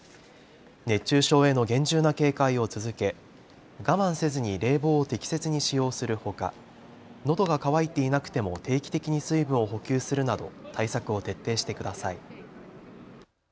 熱中症への厳重な警戒を続け我慢せずに冷房を適切に使用するほか、のどが渇いていなくても定期的に水分を補給するなど対策を徹底してください。